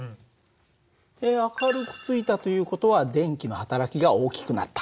明るくついたという事は電気の働きが大きくなった。